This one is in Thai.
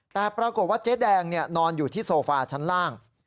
แต่ปรากฏว่าเจ๊แดงนอนอยู่ที่โซฟาชั้นล่าง